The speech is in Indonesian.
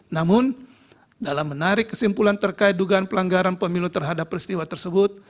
namun dalam menarik kesimpulan terkait dugaan pelanggaran pemilu terhadap peristiwa tersebut